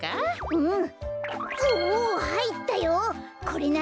うん！